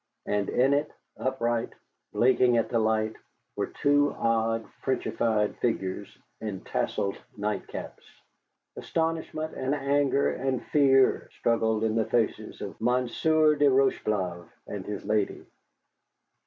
And in it, upright, blinking at the light, were two odd Frenchified figures in tasselled nightcaps. Astonishment and anger and fear struggled in the faces of Monsieur de Rocheblave and his lady.